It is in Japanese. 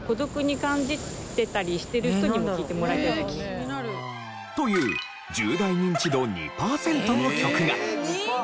やっぱり。という１０代ニンチド２パーセントの曲が。